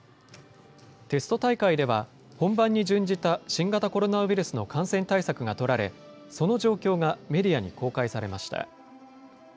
テスト大会では、本番に準じた新型コロナウイルスの感染対策が取られ、その状況がメディアに公開されました。